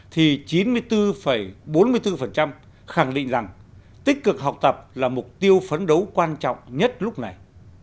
thì chín mươi bốn bốn mươi bốn khẳng định rằng tích cực học tập là mục tiêu phấn đấu quan trọng nhất lúc này